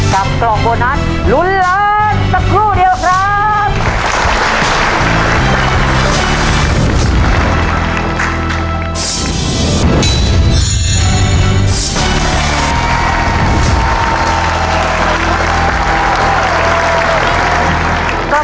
กล่องโบนัสลุ้นล้านสักครู่เดียวครับ